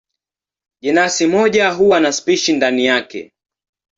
Jenasi moja huwa na spishi ndani yake.